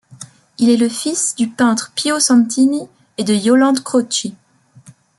Il est le fils du peintre Pio Santini et de Yolande Croci.